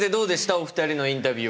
お二人のインタビューは。